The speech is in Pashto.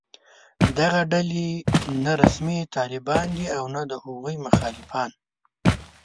دغه ډلې نه رسمي طالبان دي او نه د هغوی مخالفان